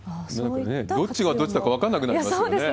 どっちがどっちだか分からなくなりそうですね。